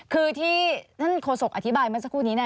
คือที่ท่านโฆษกอธิบายเมื่อสักครู่นี้